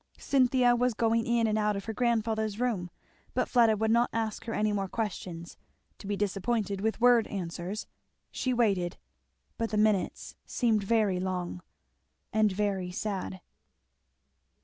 Cynthia was going in and out of her grandfather's room, but Fleda would not ask her any more questions, to be disappointed with word answers; she waited, but the minutes seemed very long, and very sad.